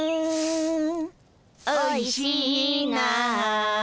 「おいしいな」